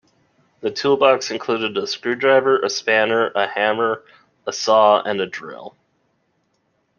The toolbox included a screwdriver, a spanner, a hammer, a saw and a drill